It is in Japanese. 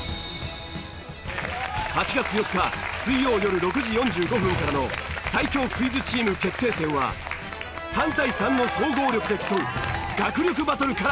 ８月４日水曜よる６時４５分からの最強クイズチーム決定戦は３対３の総合力で競う学力バトルからスタート！